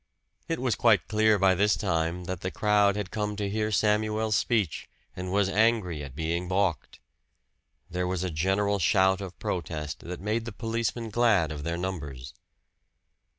It was quite clear by this time that the crowd had come to hear Samuel's speech, and was angry at being balked. There was a general shout of protest that made the policemen glad of their numbers.